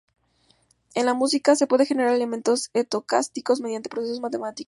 En la música, se pueden generar elementos estocásticos mediante procesos matemáticos.